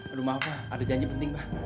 aduh maaf pak ada janji penting pak